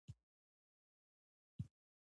تورکى وايي مام زړه ورباندې يخ کړ.